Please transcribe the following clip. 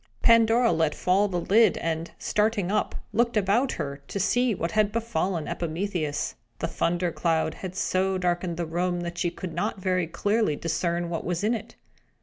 Pandora let fall the lid, and, starting up, looked about her, to see what had befallen Epimetheus. The thunder cloud had so darkened the room that she could not very clearly discern what was in it.